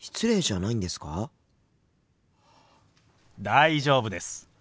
大丈夫です。